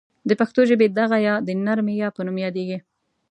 د پښتو ژبې دغه یا ی د نرمې یا په نوم یادیږي.